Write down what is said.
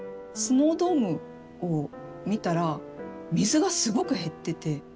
スノードームを見たら水がすごく減ってて。